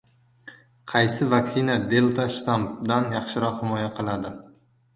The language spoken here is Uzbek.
Qaysi vaksina delta-shtammdan yaxshiroq himoya qiladi